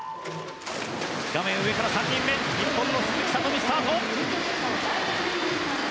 画面上から３人目日本の鈴木聡美、スタート。